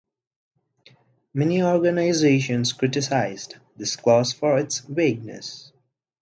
Many organizations criticised this clause for its vagueness.